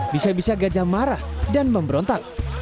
bisa bisa gajah marah dan memberontak